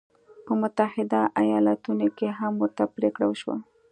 په متحده ایالتونو کې هم ورته پرېکړه وشوه.